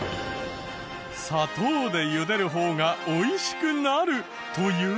砂糖で茹でる方が美味しくなるというウワサ。